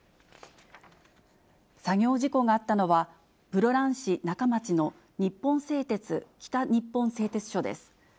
作業事故があったのは、室蘭市仲町の日本製鉄北日本製鉄所です。